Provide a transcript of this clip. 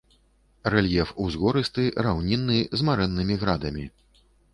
Рэльеф узгорысты раўнінны з марэннымі градамі.